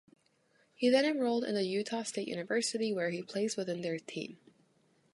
He’s then enrolled in the Utah State University where he plays within their team.